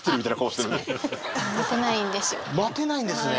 待てないんですね。